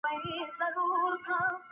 سردار اکبرخان د خپلو سرتېرو تشویق وکړ.